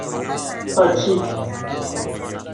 کاچی